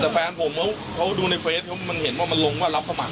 แต่แฟนผมเขาดูในเฟซเขามันเห็นว่ามันลงว่ารับสมัคร